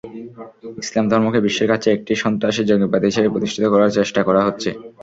ইসলাম ধর্মকে বিশ্বের কাছে একটি সন্ত্রাসী-জঙ্গিবাদী হিসেবে প্রতিষ্ঠিত করার চেষ্টা করা হচ্ছে।